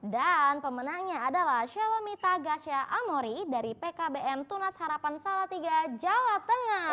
dan pemenangnya adalah shalomita gasha amori dari pkbm tunas harapan salatiga jawa tengah